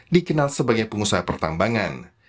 dikenal sebagai pengusaha pertambangan